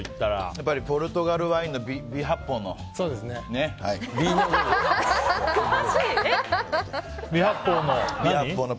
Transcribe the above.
やっぱりポルトガルワインの微発泡の。